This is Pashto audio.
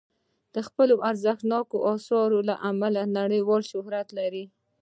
د خپلو ارزښتناکو اثارو له امله نړیوال شهرت لري.